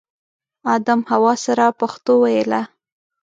ادم حوا سره پښتو ویله